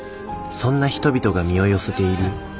そんな人々が身を寄せている。